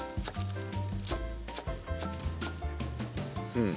うん。